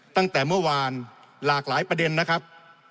ตั้งแต่เมื่อวานหลากหลายประเด็นนะครับ